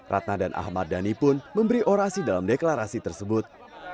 ratna dan ahmad dhani pun memberi orasi dalam deklarasi tersebut